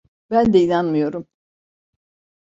Ben de inanmıyorum.